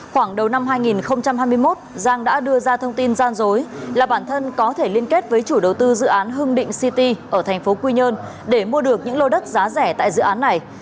khoảng đầu năm hai nghìn hai mươi một giang đã đưa ra thông tin gian dối là bản thân có thể liên kết với chủ đầu tư dự án hưng định city ở thành phố quy nhơn để mua được những lô đất giá rẻ tại dự án này